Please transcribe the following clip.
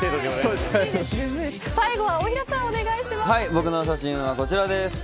僕の写真はこちらです。